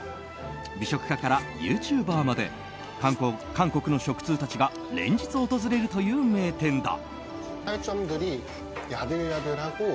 美食家からユーチューバーまで韓国の食通たちが連日訪れるという名店だ。